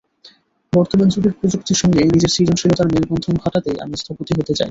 বর্তমান যুগের প্রযুক্তির সঙ্গে নিজের সৃজনশীলতার মেলবন্ধন ঘটাতেই আমি স্থপতি হতে চাই।